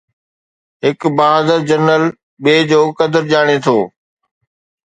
هڪ بهادر جنرل ٻئي جو قدر ڄاڻي ٿو